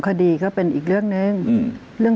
คุณแม่ก็ไม่อยากคิดไปเองหรอก